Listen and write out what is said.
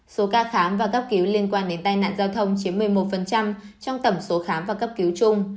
số ca khám và cấp cứu liên quan đến tai nạn giao thông chiếm một mươi một trong tổng số khám và cấp cứu chung